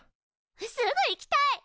すぐ行きたい！